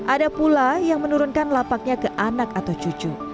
ada pula yang menurunkan lapaknya ke anak atau cucu